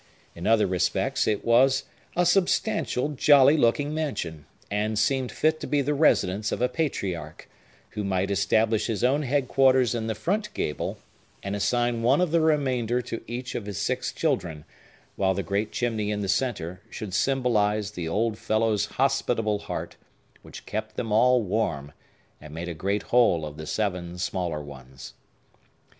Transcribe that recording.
In other respects, it was a substantial, jolly looking mansion, and seemed fit to be the residence of a patriarch, who might establish his own headquarters in the front gable and assign one of the remainder to each of his six children, while the great chimney in the centre should symbolize the old fellow's hospitable heart, which kept them all warm, and made a great whole of the seven smaller ones.